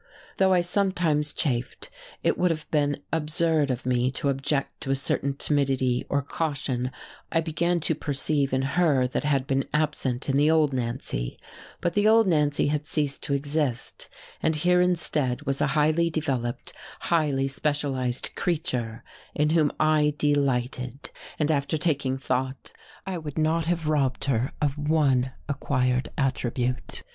Though I sometimes chafed, it would have been absurd of me to object to a certain timidity or caution I began to perceive in her that had been absent in the old Nancy; but the old Nancy had ceased to exist, and here instead was a highly developed, highly specialized creature in whom I delighted; and after taking thought I would not have robbed her of fine acquired attribute.